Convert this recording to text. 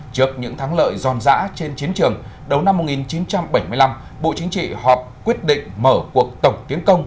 trước những thắng lợi giòn dã trên chiến trường đầu năm một nghìn chín trăm bảy mươi năm bộ chính trị họp quyết định mở cuộc tổng tiến công